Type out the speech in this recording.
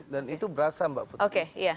dan itu berasa mbak putri